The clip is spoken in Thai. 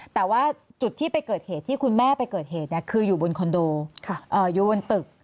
แต่ว่าจุดที่ไปเกิดเหตุที่คุณแม่ไปเกิดเหตุคืออยู่บนคอนโดอยู่บนตึก